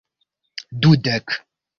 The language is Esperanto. dudek